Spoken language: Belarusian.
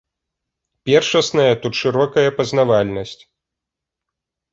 Першасная тут шырокая пазнавальнасць.